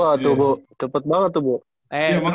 wah tuh bu cepet banget tuh bu